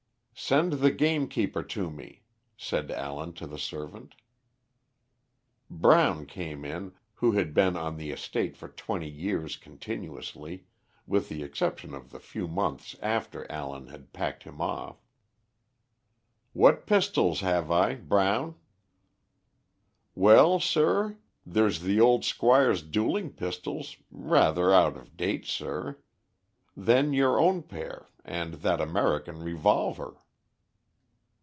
"Send the gamekeeper to me," said Allen to the servant. Brown came in, who had been on the estate for twenty years continuously, with the exception of the few months after Allen had packed him off. "What pistols have I, Brown?" "Well, sir, there's the old Squire's duelling pistols, rather out of date, sir; then your own pair and that American revolver."